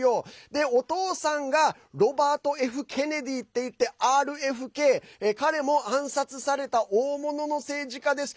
で、お父さんがロバート・Ｆ・ケネディっていってＲＦＫ彼も暗殺された大物の政治家です。